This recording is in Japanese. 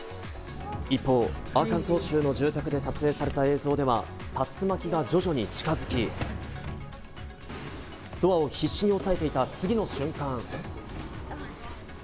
一方、アーカンソー州の住宅で撮影された映像では竜巻が徐々に近づき、ドアを必死で抑えていた次の瞬間。